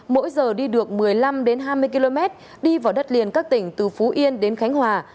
mỗi giờ đi được một mươi năm hai mươi km đi vào đất liền các tỉnh từ phú yên đến khánh hòa